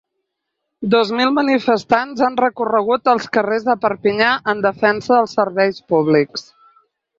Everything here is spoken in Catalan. Dos mil manifestants han recorregut els carrers de Perpinyà en defensa dels serveis públics.